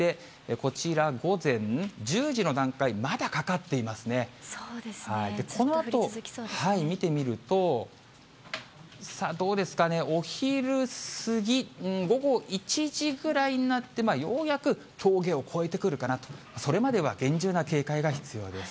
このあと見てみると、さあ、どうですかね、お昼過ぎ、午後１時ぐらいになって、ようやく峠を越えてくるかなと、それまでは厳重な警戒が必要です。